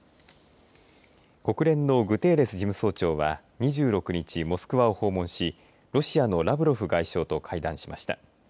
国連のグテーレス事務総長は２６日モスクワを訪問しロシアのラブロフ外相と会談しました。